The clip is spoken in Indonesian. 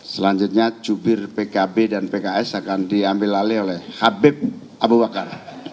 selanjutnya jubir pkb dan pks akan diambil alih oleh habib abu bakar